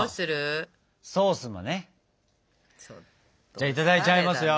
じゃあいただいちゃいますよ。